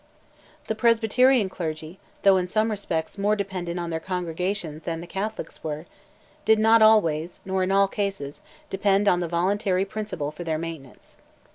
The Presbyterian clergy, though in some respects more dependent on their congregations than the Catholics were, did not always, nor in all cases, depend on the voluntary principle for their maintenance.